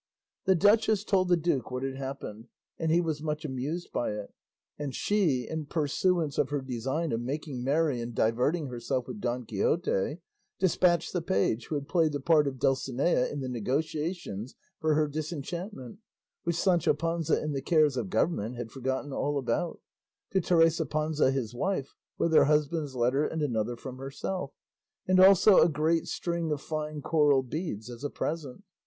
The duchess told the duke what had happened, and he was much amused by it; and she, in pursuance of her design of making merry and diverting herself with Don Quixote, despatched the page who had played the part of Dulcinea in the negotiations for her disenchantment (which Sancho Panza in the cares of government had forgotten all about) to Teresa Panza his wife with her husband's letter and another from herself, and also a great string of fine coral beads as a present.